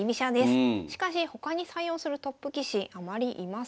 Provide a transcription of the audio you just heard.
しかし他に採用するトップ棋士あまりいません。